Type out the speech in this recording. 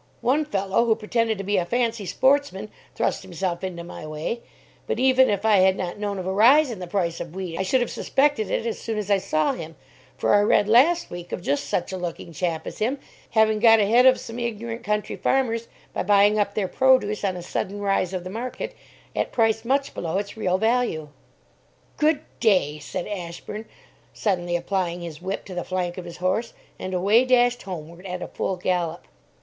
One fellow who pretended to be a fancy sportsman, thrust himself into my way, but, even if I had not know of a rise in the price of wheat, I should have suspected it as soon as I saw him, for I read, last week, of just such a looking chap as him having got ahead of some ignorant country farmers by buying up their produce, on a sudden rise of the market, at price much below its real value." "Good day!" said Ashburn, suddenly applying his whip to the flank of his horse; and away dashed homeward at a full gallop.